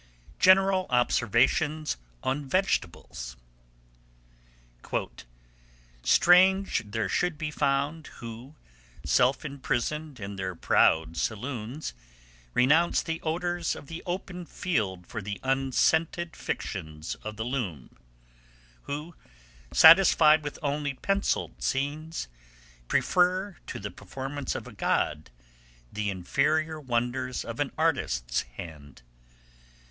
GENERAL OBSERVATIONS ON VEGETABLES. "Strange there should be found Who, self imprison'd in their proud saloons, Renounce the odours of the open field For the unscented fictions of the loom; Who, satisfied with only pencilled scenes, Prefer to the performance of a God, Th' inferior wonders of an artist's hand!